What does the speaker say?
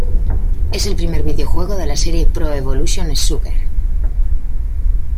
Es el primer videojuego de la serie Pro Evolution Soccer.